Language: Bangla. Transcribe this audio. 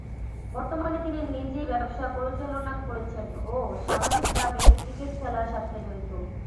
বর্তমানে তিনি নিজেই ব্যবসা পরিচালনা করছেন ও সামাজিকভাবে ক্রিকেট খেলার সাথে জড়িত।